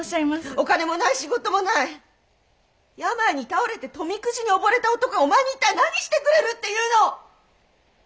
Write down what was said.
お金もない仕事もない病に倒れて富くじに溺れた男がお前に一体何してくれるって言うの！